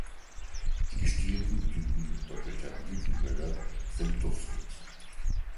Die gestielten Blüten mit doppelter Blütenhülle sind duftend.